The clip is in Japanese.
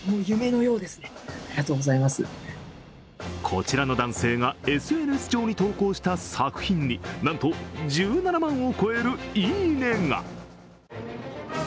こちらの男性がＳＮＳ上に投稿した作品になんと１７万を超える「いいね」が。